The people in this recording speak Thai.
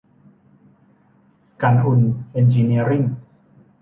กันกุลเอ็นจิเนียริ่ง